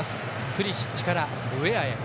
プリシッチからウェアへ。